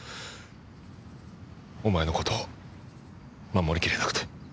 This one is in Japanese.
お前の事守りきれなくて。